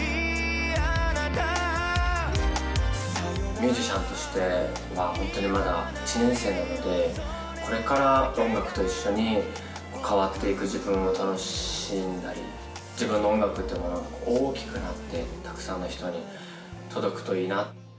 ミュージシャンとして、本当にまだ１年生なので、これから音楽と一緒に変わっていく自分を楽しんだり、自分の音楽というものが大きくなって、たくさんの人に届くといいな。